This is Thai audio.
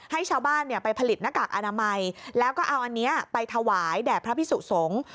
ให้ชาวบ้านไปผลิตหน้ากากอนามัยแล้วก็เอาอันนี้ไปถวายแด่พระพิสุสงฆ์